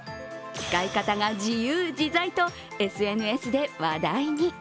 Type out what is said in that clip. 使い方が自由自在とＳＮＳで話題に。